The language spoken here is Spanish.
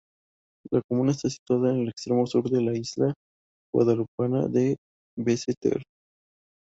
La comuna está situada en el extremo sur de la isla guadalupana de Basse-Terre.